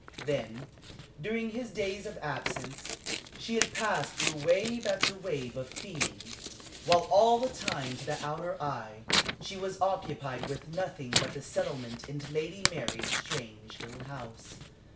Then, during his days of absence, she had passed through wave after wave of feeling, while all the time to the outer eye she was occupied with nothing but the settlement into Lady Mary's strange little house.